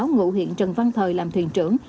ngụ huyện trần văn thời làm thuyền trưởng